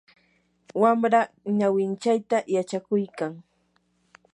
wamra ñawinchayta yachakuykan.